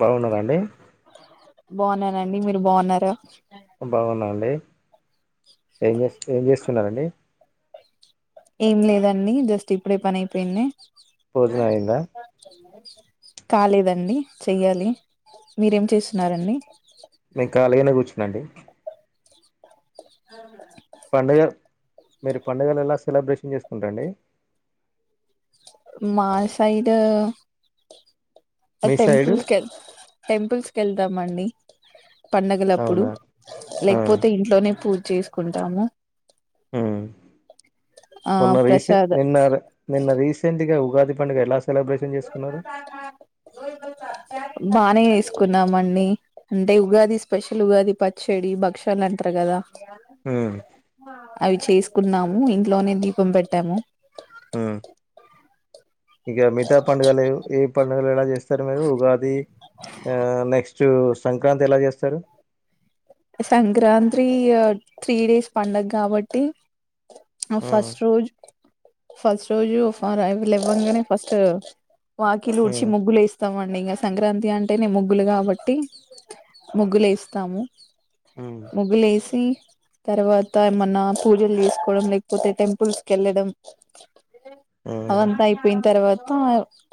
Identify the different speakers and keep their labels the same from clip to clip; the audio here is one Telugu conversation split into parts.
Speaker 1: బాగున్నారండి
Speaker 2: బాగున్నానండి మీరు బాగున్నారు
Speaker 1: బాగున్నాండి ఏం చే ఏం చేస్తున్నారు అండి
Speaker 2: ఏం లేదండి జస్ట్ ఇప్పుడే పని అయిపోయింది
Speaker 1: భోజనం అయిందా
Speaker 2: కాలేదండి చెయ్యాలి మీరేం చేస్తున్నారండి
Speaker 1: నేను ఖాళిగానే కూర్చున్నాండి
Speaker 2: అవునా
Speaker 1: పండుగ మీరు పండుగలు ఎలా సెలబ్రేషన్ చేసుకుంట్రండి
Speaker 2: మాసైడ్
Speaker 1: మీ సైడు
Speaker 2: టెంపుల్స్ కె టెంపుల్స్ కెళ్దామండి పండగలప్పుడు
Speaker 1: అవునా ఆ
Speaker 2: లేకపోతే ఇంట్లోనే పూజ చేసుకుంటాము ఆ
Speaker 1: మొన్న రీసెం
Speaker 2: ప్రసాద్
Speaker 1: నిన్న నిన్న రీసెంట్గా ఉగాది పండుగ ఎలా సెలబ్రేషన్ చేసుకున్నారు
Speaker 2: బానే చేసుకున్నాం అండి అంటే ఉగాది స్పెషల్ ఉగాది పచ్చడి భక్షలు అంటారు కదా
Speaker 1: ఉమ్
Speaker 2: అవి చేసుకున్నాము ఇంట్లోనే దీపం పెట్టాము
Speaker 1: ఆ ఇంక మిగతా పండుగలు ఏ పండుగలు ఎలా చేస్తారు మీరు ఉగాది ఆ నెక్స్ట్ సంక్రాంతి ఎలా చేస్తారు
Speaker 2: సంక్రాంతి త్రీ డేస్ పండగ కాబట్టి ఆ
Speaker 1: ఉమ్
Speaker 2: ఫస్ట్ రోజ్ ఫస్ట్ రోజు ఫ అ లేవ్వంగానే ఫస్ట్ వాకిలు ఉడ్చి
Speaker 1: ఉమ్
Speaker 2: ముగ్గులు వేస్తామండి అ ఇంగా సంక్రాంతి అంటేనే ముగ్గులు కాబట్టి ముగ్గులు ఏస్తాము
Speaker 1: ఉమ్
Speaker 2: ముగ్గులు వేసి తర్వాత ఏమన్నా పూజలు చేసుకోవడం లేకపోతే టెంపుల్స్ కు వెళ్ళడం
Speaker 1: ఉమ్
Speaker 2: అదంతా అయిపోయిన తర్వాత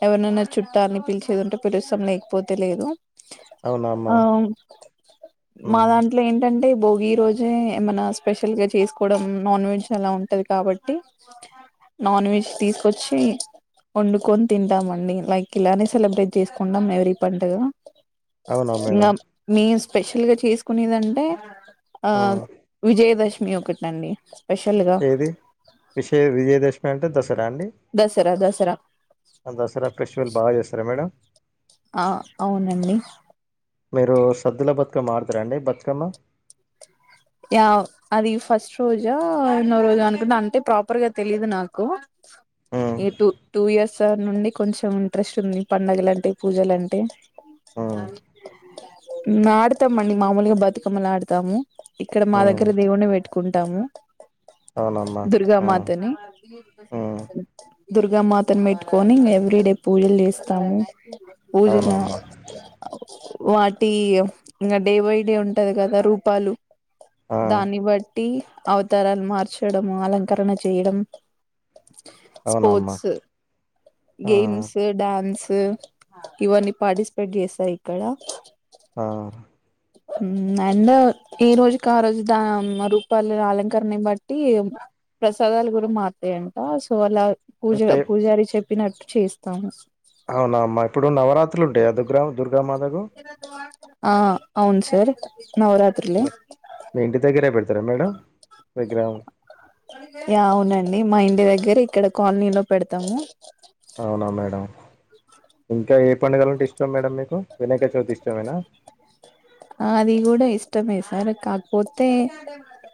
Speaker 2: ఎవరనైనా చుట్టాలని పిలిచేది ఉంటే పిలుస్తాం లేకపోతే లేదు
Speaker 1: అవునా అమ్మా
Speaker 2: ఆ
Speaker 1: ఉమ్
Speaker 2: మాదాంట్లో ఏంటంట అంటే భోగి రోజే ఏమన్న స్పెషల్ గా చేసుకోవడం నాన్ వెజ్ అలా ఉంటది కాబట్టి నాన్ వెజ్ తీసుకొచ్చి వండుకొని తింటామండి లైక్ ఇలానే సెలబ్రేట్ చేసుకుంటాం ఎవరీ పండగ
Speaker 1: అవునా
Speaker 2: ఇంకా
Speaker 1: మేడం
Speaker 2: మేము స్పెషల్ గా చేసుకునేదంటే ఆ
Speaker 1: ఉమ్
Speaker 2: విజయదశమి ఒకటి అండి
Speaker 1: ఏది విషయ విజయదశమి అంటే దస్ రండి
Speaker 2: దసరా దసరా
Speaker 1: దసర ఫెస్టివల్ బాగా చేస్తారా మేడం
Speaker 2: ఆ అవునండి
Speaker 1: మీరు సద్దుల బతుకమ్మ ఆడుతారా అండి బతుకమ్మ
Speaker 2: యా అది ఫస్ట్ రోజా ఎన్నో రోజు అనుకుంట అంటే ప్రాపర్గా తెలీయదు నాకు
Speaker 1: ఉమ్
Speaker 2: A to two years sir నుండి కొంచెం ఇంట్రెస్ట్ ఉంది పండుగలు అంటే పూజలు అంటే
Speaker 1: ఉమ్
Speaker 2: ఆడతాం అండి మామూలుగా బతుకమ్మలు ఆడతాము ఇక్కడ మా
Speaker 1: ఉమ్
Speaker 2: దగ్గర దేవున్ని పెట్టుకుంటాము
Speaker 1: అవునమ్మా
Speaker 2: దుర్గా
Speaker 1: ఆ
Speaker 2: మాతని
Speaker 1: ఉమ్
Speaker 2: దుర్గామాతను పెట్టుకొని ఎవ్రీ డే పూజలు చేస్తాము పూజలు అ
Speaker 1: అవునమ్మా
Speaker 2: ఓ వాటి ఇంకా డే బై డే ఉంటది కదా రూపాలు
Speaker 1: ఆ
Speaker 2: దాన్ని బట్టి అవతారాలు మార్చడం అలంకరణ చేయడం
Speaker 1: అవునమ్మా
Speaker 2: స్పోర్ట్స్
Speaker 1: ఆ
Speaker 2: గేమ్స్ డాన్స్ ఇవన్నీ పార్టిసిపేట్ చేస్తాయి ఇక్కడ
Speaker 1: ఆ
Speaker 2: హు అండ్ ఈ రోజు కా ఆ రోజు దా రూపాలు అలంకరణ బట్టి ప్రసాదాలు కూడా మార్తాయంట సో అలా పూజ
Speaker 1: అంటే
Speaker 2: పూజారి చెప్పినట్టు చేస్తాము
Speaker 1: అవునా అమ్మా ఇప్పుడు నవరాత్రులు ఉంటాయి దుర్గం
Speaker 2: ఆ అవును సార్ నవరాత్రులే
Speaker 1: ఇంగ మీ ఇంటి దగ్గరే పెడతారా మేడం విగ్రహం
Speaker 2: యా అవునండి మా ఇంటి దగ్గర ఇక్కడ కాలనీలో పెడతాము
Speaker 1: అవునా మేడం ఇంకా ఏ పండుగల అంటే ఇష్టం మేడం మీకు వినాయక చవితి ఇష్టమేనా
Speaker 2: ఆ అది కూడా ఇష్టమే సార్ కాకపోతే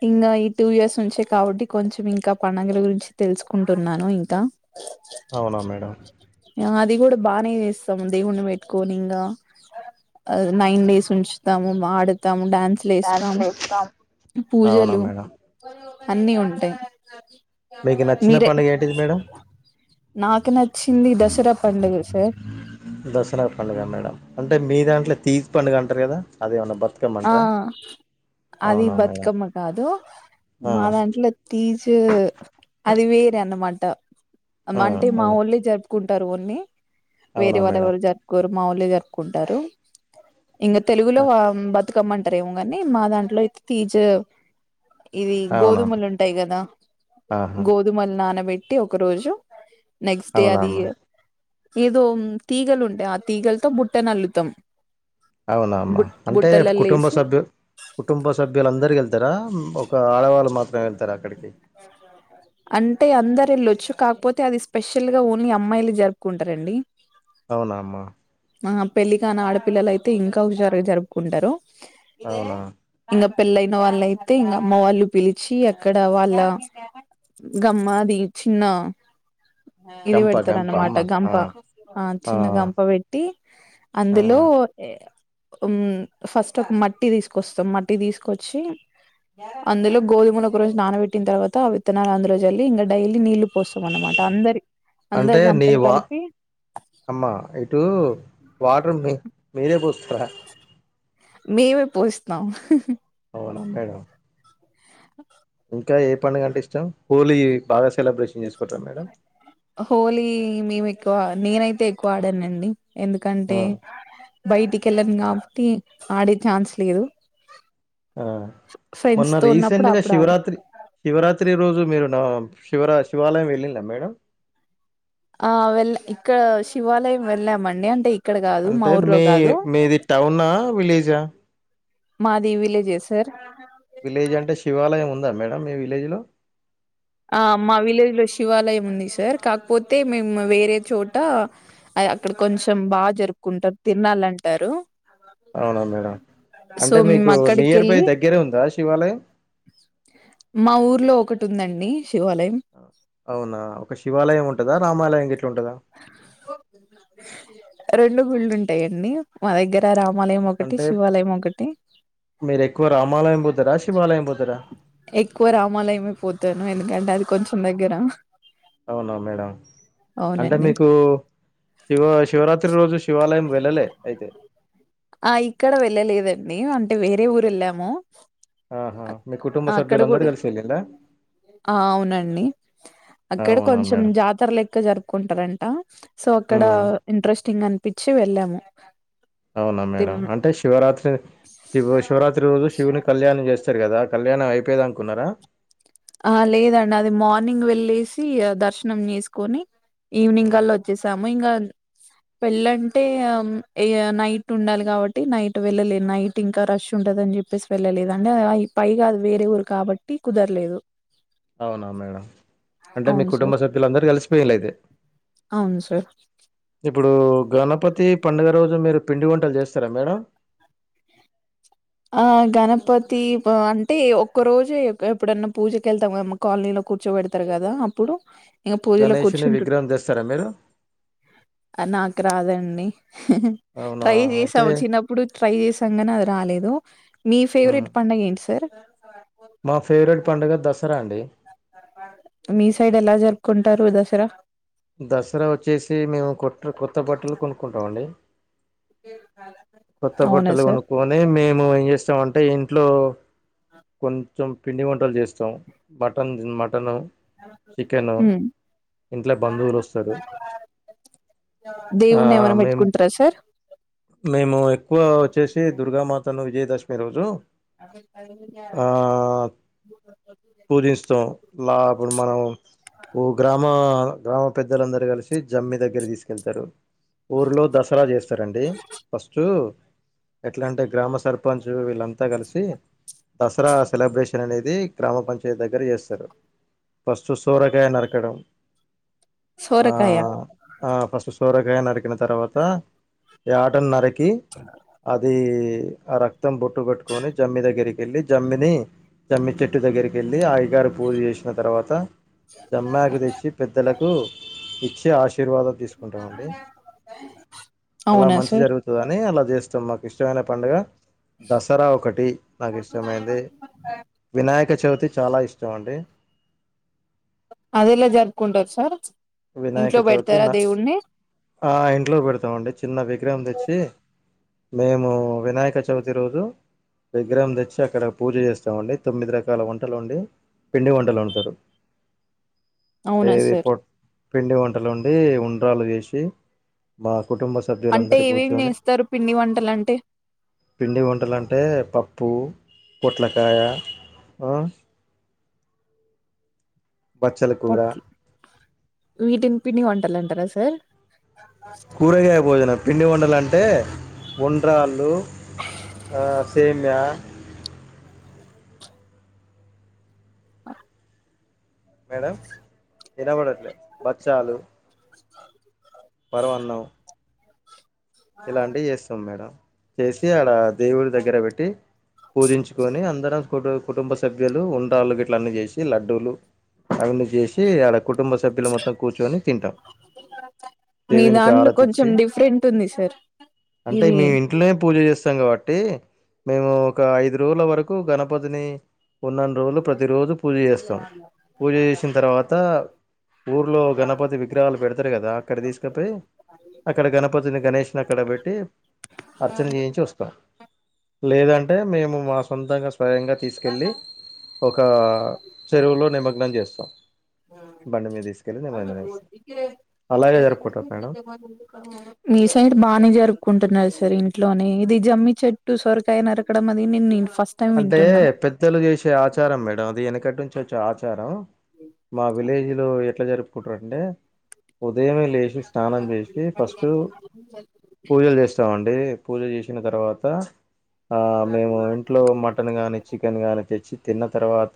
Speaker 2: ఇంకా ఈ టూ ఇయర్స్ నుంచే కావడం టి కొంచెం ఇంకా పండగల గురించి తెలుసుకుంటున్నాను ఇంకా
Speaker 1: అవునా మేడం
Speaker 2: బాగానే చేస్తాము దేవుడిని పెట్టుకొని ఇంగా నైన్ డేస్ ఉంచి స్తాము ఆడతాము డ్యాన్సులు వేస్తాము
Speaker 1: దాంట్లో ఇష్టం అవునా మేడం
Speaker 2: అన్ని ఉంటాయి
Speaker 1: మీకు నచ్చిన
Speaker 2: మీరే
Speaker 1: పండగ ఏంటిది మేడం
Speaker 2: నాకు నచ్చింది దసరా పండుగ సార్
Speaker 1: దసరా పండుగ మేడం అంటే మీ దాంట్లో తీజ్ పండుగ అంటారు కదా అదేమన్నా బర్
Speaker 2: ఆ అది
Speaker 1: మేడం
Speaker 2: బతుకమ్మ కాదు
Speaker 1: ఆ,
Speaker 2: మా దాంట్లో తీజ్ అది వేరే అన్నమాట
Speaker 1: ఆ,
Speaker 2: అంటే మా
Speaker 1: అవును
Speaker 2: ఓళ్ళే జరుపుకుంటారు ఓల్ని
Speaker 1: అవునా
Speaker 2: వేరే వాళ్ళు
Speaker 1: మేడం
Speaker 2: ఎవరు జరుపుకోరు మా వాళ్ళే జరుపుకుంటారు ఇంకా తెలుగులో
Speaker 1: ఆ,
Speaker 2: బతుకమ్మ అంటారు ఏమో గాని మా దాంట్లో అయితే తీజవ్ ఇది
Speaker 1: అవునమ్మా
Speaker 2: గోధుమలు ఉంటాయి గదా
Speaker 1: ఆహా
Speaker 2: గోధుమలు నానబె ట్టి ఒక రోజు నెక్స్ట్ డే
Speaker 1: అవునా
Speaker 2: అది
Speaker 1: అమ్మా
Speaker 2: ఏదో తీగలు ఉంటాయి ఆ తీగలతో బుట్ట నల్లుతాం
Speaker 1: అవునా అమ్మా అంటే కుటుంబ
Speaker 2: వేసి
Speaker 1: సభ్యు కుటుంబ సభ్యులందరు ఎళ్తారా ఒక ఆడవాళ్ళు మాత్రమే ఎళ్తార అక్కడికి
Speaker 2: అంటే అందరు ఎళ్ళొచ్చు కాకపోతే అది స్పెషల్ గా ఓన్లీ అమ్మాయిలే జరుపుకుంటారు రండి
Speaker 1: అవునా అమ్మా
Speaker 2: ఆ పెళ్లి కానీ ఆడపిల్లలు అయితే ఇంకా హుషారు గ జరుపుకుంటారు
Speaker 1: అవునా
Speaker 2: ఇంగ పెళ్ళయిన వాళ్ళయితే ఇంగ అమ్మ వాళ్ళు పిలిచి అక్కడ వాళ్ గమ్మాది చిన్న ఇది
Speaker 1: గంప గంప
Speaker 2: వెడతారనమాట
Speaker 1: అమ్మ ఆ,
Speaker 2: గంప ఆ చిన్న గంప వెట్టి
Speaker 1: ఆ.
Speaker 2: అందులో ఓ మ్ ఫస్ట్ ఒక మట్టి తీసుకొస్తాం మట్టి తీసుకొచ్చి అందులో గోధుమలు ఒక రోజు నానబెట్టిన తర్వాత విత్తనాలు అందులో జల్లి ఇంగ డైలీ నీళ్ళు పోస్తం అన్నమాట అందరి అందరి గంపలు కలిపి
Speaker 1: అమ్మా ఇటు వాటర్ మి మీరే పోస్తారా
Speaker 2: మేమే పోస్తాం
Speaker 1: వనంబేగం ఇంకా ఏ పండుగంటే ఇష్టం హోలీ బాగా సెలబ్రేషన్ చేసు
Speaker 2: హోలీ మేము ఎక్కువ నేనైతే ఎక్కువ ఆడానండి ఎందుకంటే
Speaker 1: ఆ
Speaker 2: బయటికి ఎళ్ళను గాబట్టి ఆడే ఛాన్స్ లేదు
Speaker 1: ఆ మొన్న
Speaker 2: ఫ్రెండ్స్ తో
Speaker 1: రీసెంట్
Speaker 2: ఉన్నప్పుడు
Speaker 1: గ
Speaker 2: అప్పుడు ఆడు
Speaker 1: శివరాత్రి శివరాత్రి రోజు మీరు నా శివరా శివాలయం వెళ్ళిందా మేడం
Speaker 2: ఆ వెళ్ళ ఇక్కడ శివాలయం వెళ్ళామండి అంటే ఇక్కడ కాదు మా
Speaker 1: అంటే
Speaker 2: ఊర్లో
Speaker 1: మీ
Speaker 2: కాదు
Speaker 1: మీది టౌనా విలేజా
Speaker 2: మాది విలేజే సార్
Speaker 1: విలేజ్ అంటే శివాలయం ఉందా మేడం మీ విలేజ్లో
Speaker 2: ఆ మా విలేజ్ లో శివాలయం ఉంది సార్ కాకపోతే మేము వేరే చోట అ అక్కడ కొంచెం బాగా జరుపుకుంటారు తిర్నల్ అంటారు
Speaker 1: అవునా మేడం అంటే
Speaker 2: మేము
Speaker 1: మీకు
Speaker 2: అక్కడికి
Speaker 1: నియర్ బై
Speaker 2: వెళ్ళి
Speaker 1: దగ్గరే ఉందా శివాలయం
Speaker 2: మా ఊర్లో ఒకటి ఉందండి శివాలయం
Speaker 1: అవునా ఒక శివాలయం ఉంటదా రామాలయం గట్
Speaker 2: రెండు గుళ్ళు ఉంటాయండి మా దగ్గర రా
Speaker 1: అంటే మీరు ఎక్కువ రామాలయం బోతరా శివాలయం బోత్
Speaker 2: ఎక్కువ రామాలయమే పోతాను ఎందుకంటే అది కొంచెం దగ్గర
Speaker 1: అవునా మేడం అంటే
Speaker 2: అవునండి
Speaker 1: మీకు శివ శివరాత్రి రోజు శివాలయం వెళ్ళలే అయితే
Speaker 2: ఆ ఇక్కడ వెళ్ళలేదండి అంటే వేరే ఊరు ఎళ్ళాము
Speaker 1: ఆహా మీ కుటుంబ సభ్యులు అందరు కలిసి ఎళ్ళింద
Speaker 2: ఆ అవునండి అక్కడ
Speaker 1: అవునా
Speaker 2: కొంచెం
Speaker 1: మేడం
Speaker 2: జాతర లెక్క జరుపుకుంటారంట సో అక్కడ
Speaker 1: ఉమ్
Speaker 2: ఇంట్రెస్ట్ తిన్ అనిపించి వెళ్ళాము
Speaker 1: అవునా మేడం
Speaker 2: తిన్
Speaker 1: అంటే శివరాత్రి శివ శివరాత్రి రోజు శివుని కళ్యాణం చేస్తే సార్ కదా కళ్యాణం అయిపోయో దాకా ఉన్నారా
Speaker 2: ఆ లేదండి అది మార్నింగ్ వెళ్ళసి దర్శనం చేసుకొని ఈవినింగ్
Speaker 1: ఉమ్
Speaker 2: కల్లా వచ్చేసాము ఇంగ పెళ్ళంటే ఇగ నైట్ ఉండాలి కాబట్టి నైట్ వెళ్ళలే నైట్ ఇంకా రష్ ఉండాల ని చెప్పేసి వెళ్ళలేదు అండి పైగా అది వేరే ఊరు కాబట్టి కుదరలేదు
Speaker 1: అవునా మేడం అంటే మీ
Speaker 2: అవును
Speaker 1: కుటుంబ
Speaker 2: సార్
Speaker 1: సభ్యులు అందరు కలిసిపోయిళ్లు అయితే
Speaker 2: అవును సార్
Speaker 1: ఇప్పుడు గణపతి పండుగ రోజు మీరు పిండి వంటలు చేస్తారా మేడం
Speaker 2: ఆ గణపతి అంటే ఒక్క రోజే ఎప్పుడన్నా పూజకెళ్తాం కదమ్మ కాలనీలో కూర్చోబెడతారు కదా అప్పుడు ఇంకా పూజలో
Speaker 1: గణేషుని
Speaker 2: కూర్చుంటు
Speaker 1: విగ్రహం తెస్తారా మీరు
Speaker 2: నాకు రాదండి
Speaker 1: అవునా
Speaker 2: ట్రై
Speaker 1: అయితే
Speaker 2: చేసాము చిన్నప్పుడు ట్రై చేసాం కానీ అది రాలేదు మీ
Speaker 1: ఉమ్
Speaker 2: ఫేవరెట్ పండు గ ఏంటి సార్
Speaker 1: మా ఫేవరెట్ పండుగ దసరా అండి
Speaker 2: మీ సైడ్ ఎలా జరుపుకుంటారు దసరా
Speaker 1: దసరా వచ్చేసి మేము కొత్ కొత్త బట్టలు కొనుక్కుంటాం అండి
Speaker 2: ఇ
Speaker 1: కొత్త బట్టలు కొనుకోని మేము ఏం చేస్తామంటే ఇంట్లో కొ కొంచెం పిండి వంటలు చేస్తాం మటన్ మటను చికెను
Speaker 2: హ్మ్.
Speaker 1: ఇంట్లో బంధువులు వస్తారు ఆ
Speaker 2: దేవుని ఏమైనా
Speaker 1: మేము
Speaker 2: పెట్టుకుంటారా సార్
Speaker 1: మేము ఎక్కువ వచ్చేసి దుర్గామాతను విజయదశమి రోజు
Speaker 2: అడ
Speaker 1: ఆ
Speaker 2: క
Speaker 1: అపుడు మనం ఓ గ్రామ గ్రామ పెద్దలందరూ కలిసి జమ్మి దగ్గర తీసుకెళ్తారు ఊర్లో దసరా చేస్తారండి ఫస్ట్ ఎట్ల అంటే గ్రామ సర్పంచ్ వీళ్ళంతా కలిసి దసరా సెలబ్రేషన్ అనేది గ్రామ పంచాయత్ దగ్గర చేస్తారు ఫస్ట్ సోరగాయ నరకడం ఆ
Speaker 2: సోరకాయ
Speaker 1: ఆ ఫస్ట్ సొరకాయ నరికిన తర్వాత యాటన్ నరికి అది ఆ రక్తం బొట్టు కట్టుకొని జమ్మి దగ్గరికెళ్ళి జమ్మిని జమ్మి చెట్టు దగ్గరికెళ్ళి ఆ గ పూజ చేసిన తర్వాత జమ్మాకు తెచ్చి పెద్దలకు ఇచ్చి ఆశీర్వాదం తీసుకుంటామండి అలా
Speaker 2: అవునా
Speaker 1: మంచి
Speaker 2: సార్?
Speaker 1: జరుగుతుంది అని అలా చేస్తాం మాకు ఇష్టమైన పండుగ దసరా ఒకటి నాకు ఇష్టమైంది వినాయక కచవితి చాలా ఇష్టం అండి
Speaker 2: అదేలా జరుపుకుంటారు సార్
Speaker 1: వినాయక
Speaker 2: ఇంట్లో
Speaker 1: చవితి
Speaker 2: బెడతారా
Speaker 1: నా
Speaker 2: దేవుడిని?
Speaker 1: ఆ ఇంట్లో పెడతామండి చిన్న విగ్రహం తెచ్చి మేము వినాయక చవితి రోజు విగ్రహం తెచ్చి అక్కడ పూజ చేస్తామండి తొమ్మిది రకాల వంటలు వండి పిండి వంటలు అంటారు
Speaker 2: అవునా సార్
Speaker 1: పిండి వంటలు వండి ఉండ్రాలు చేసి బా కుటుంబ
Speaker 2: అంటే
Speaker 1: సభ్యులందరు
Speaker 2: ఏవేం
Speaker 1: కూర్చొని
Speaker 2: జేస్తారు పిండి వంటలంటే?
Speaker 1: పిండి వంటలు అంటే పప్పు పొట్లకాయ ఆ బచ్చల కూర
Speaker 2: పొట్ వీటిని పిండి వంటలంటారా సార్
Speaker 1: కూరగాయ భోజనం పిండి వండలు అంటే వండ్రాళ్ళు ఆ సేమ్యా
Speaker 2: ఆ
Speaker 1: మేడం, వినబడట్లే బచ్చాలు పరవన్నం ఇలాంటివి చేస్తాం మేడం, చేసి అడ దేవుడి దగ్గర పెట్టి. పూజించుకొని అందరం కుట్ కుటుంబ సభ్యులు ఉండళ్లు, గట్లన్నీ చేసి లడ్డూలు. అవన్నీ చేసి ఆడా కుటుంబ సభ్యులు మొత్తం కూర్చొని తింటాం.
Speaker 2: మీ
Speaker 1: దేవునికి
Speaker 2: దాంట్లో కొంచెం
Speaker 1: ఆరతిచ్చి
Speaker 2: డిఫరెంట్ ఉంది. సార్
Speaker 1: అంటే
Speaker 2: ఇది
Speaker 1: మేము ఇంట్లోనే, పూజ చేస్తాం కాబట్టి. మేము ఒక ఐదు రోజుల, వరకు గణపతిని. ఉన్నన్ని రోజులు ప్రతిరోజు పూజ చేస్తాం, పూజ చేసిన తర్వాత, ఊర్లో గణపతి విగ్రహాలు పెడతారు కదా అక్కడ తీసుకపోయి అక్కడ గణపతిని గణేష్. అక్కడ పెట్టి అర్చన చేయించి వస్తాం. లేదంటే మేము, మా సొంతంగా స్వయంగా తీసుకెళ్ళి, ఒక చెరువులో నిమగ్నం చేస్తాం. బండి మీద తీసుకెళ్ళి నిమర్జనం చేస్తాం అలాగే జరుపుకుంటాం మేడం
Speaker 2: మీసైడ్ బాడ్ అని జరుపుకుంటున్నారు, సార్ ఇంట్లోనే ఇది జమ్మి చెట్టు, సొరకాయ నరకడం అది నేన్
Speaker 1: అంటే పెద్దలు చేసే ఆచారం మేడం అది వెన్నకటి నుంచి వచ్చే ఆచారం. మా విలేజ్ లో ఎట్లా జరుపుకుంటారు అంటే పొద్ ఉదయమే లేచి స్నానం చేసి ఫస్ట్ పూజలు చేస్తామండి. అంటే పూజ చేసిన తర్వాత ఆ మేము ఇక్ ఇంట్లో మటన్ కానీ చికెన్ కానీ తెచ్చి తిన్న తర్వాత.